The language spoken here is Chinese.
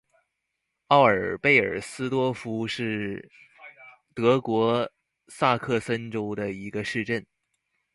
奥尔贝尔斯多夫是德国萨克森州的一个市镇。